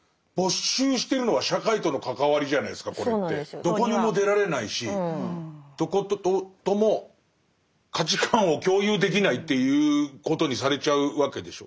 どこにも出られないしどことも価値観を共有できないということにされちゃうわけでしょ。